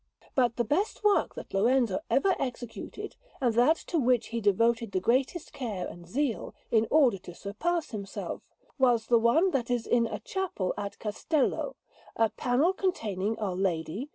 But the best work that Lorenzo ever executed, and that to which he devoted the greatest care and zeal, in order to surpass himself, was the one that is in a chapel at Cestello, a panel containing Our Lady, S.